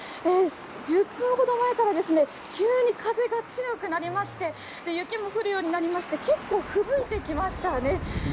１０分ほど前からですね、急に風が強くなりまして、雪も降るようになりまして、結構、ふぶいてきました。